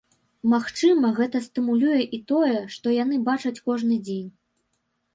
Магчыма, гэта стымулюе і тое, што яны бачаць кожны дзень.